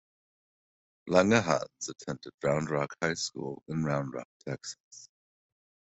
Langerhans attended Round Rock High School in Round Rock, Texas.